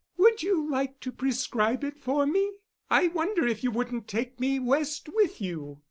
Would you like to prescribe it for me? I wonder if you wouldn't take me West with you."